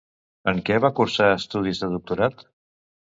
En què va cursar estudis de doctorat?